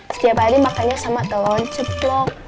setiap hari makannya sama telur ceplok